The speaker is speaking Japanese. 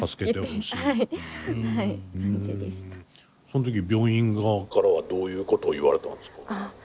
その時病院側からはどういうことを言われたんですか？